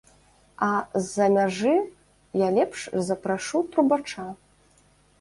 А з-за мяжы я лепш запрашу трубача.